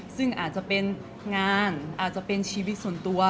ซึ่งอาจจะเป็นงานอาจจะเป็นชีวิตส่วนตัว